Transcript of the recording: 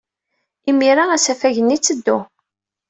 Imir-a, asafag-nni itteddu.